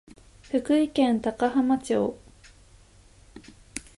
福井県高浜町